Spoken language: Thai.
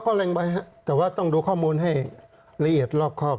ก็แรงไว้ฮะแต่ว่าต้องดูข้อมูลให้ละเอียดรอบครอบ